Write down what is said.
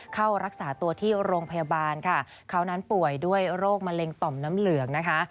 เข้ารักษาตัวที่โรงพยาบาลค่ะเขานั้นป่วยด้วยโรคมะเร็งต่อมน้ำเหลืองนะคะ